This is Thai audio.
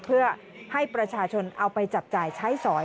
เพื่อให้ประชาชนเอาไปจับจ่ายใช้สอย